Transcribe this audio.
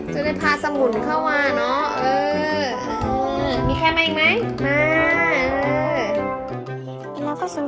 จริง